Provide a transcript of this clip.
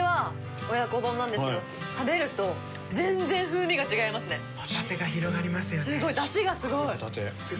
瓩蠅親子丼なんですけど食べると全然風味が違いますね。